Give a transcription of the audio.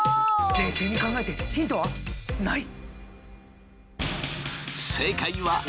冷静に考えてヒントはない。